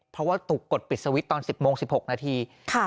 เพราะว่าถูกกดปิดสวิตช์ตอน๑๐โมง๑๖นาที